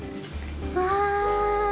わあ。